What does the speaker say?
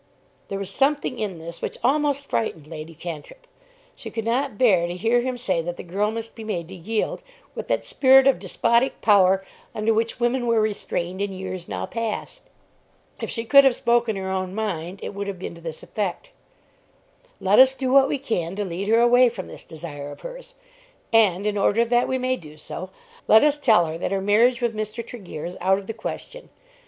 There was something in this which almost frightened Lady Cantrip. She could not bear to hear him say that the girl must be made to yield, with that spirit of despotic power under which women were restrained in years now passed. If she could have spoken her own mind it would have been to this effect: "Let us do what we can to lead her away from this desire of hers; and in order that we may do so, let us tell her that her marriage with Mr. Tregear is out of the question.